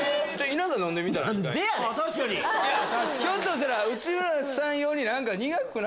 ひょっとしたら内村さん用に。